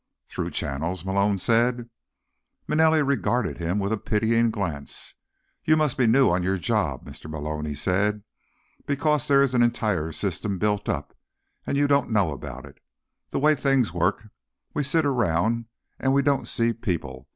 "Through channels?" Malone said. Manelli regarded him with a pitying glance. "You must be new on your job, Mr. Malone," he said. "Because there is an entire system built up, and you don't know about it. The way things work, we sit around and we don't see people.